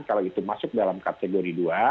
kalau itu masuk dalam kategori dua